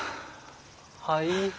はい。